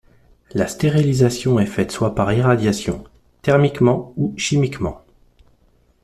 La stérilisation est faite soit par irradiation, thermiquement ou chimiquement.